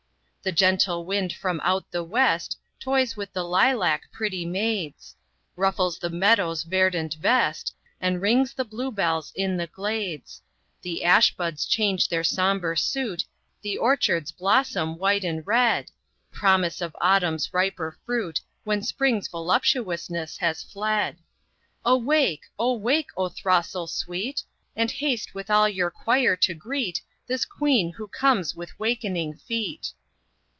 The gentle wind from out the west Toys with the lilac pretty maids; Ruffles the meadow's verdant vest, And rings the bluebells in the glades; The ash buds change their sombre suit, The orchards blossom white and red— Promise of Autumn's riper fruit, When Spring's voluptuousness has fled. Awake! awake, O throstle sweet! And haste with all your choir to greet This Queen who comes with wakening feet.